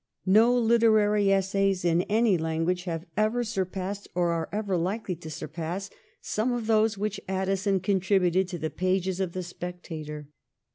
No literary essays in any language have ever sur passed, or are ever likely to surpass, some of those which Addison contributed to the pages of 'The Spectator.'